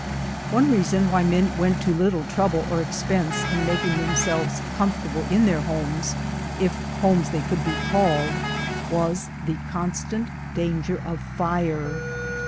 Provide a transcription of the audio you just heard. One reason why men went to little trouble or ex pense in making themselves comfortable in their homes, if homes they could be called, was the constant danger of fire.